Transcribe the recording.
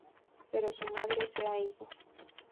Pero su madre se ha ido.